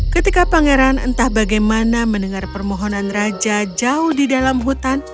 ketika pangeran entah bagaimana mendengar permohonan raja jauh di dalam hutan